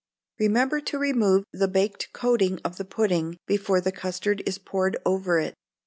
Remember to remove the baked coating of the pudding before the custard is poured over it.